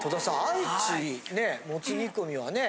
愛知ねもつ煮込みはね。